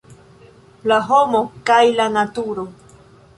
La homo kaj la naturo.